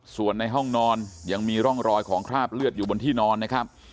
ส่วนในห้องนอนยังมีร่องรอยของคราบเลือดอยู่บนที่นอนนะครับ